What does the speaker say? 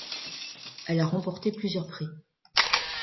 Elle a remporté plusieurs prix.